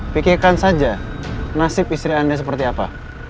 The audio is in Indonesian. pikirkan saja nasib istri anda seperti apa